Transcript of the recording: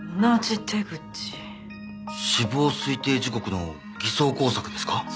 死亡推定時刻の偽装工作ですか？